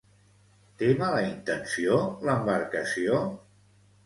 Té mala intenció l'embarcació?